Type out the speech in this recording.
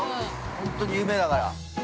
本当に有名だから。